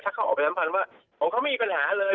ถ้าเขาออกไปน้ำพันว่าเขามีปัญหาเลย